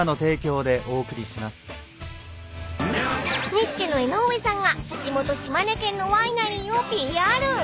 ［ニッチェの江上さんが地元島根県のワイナリーをＰＲ］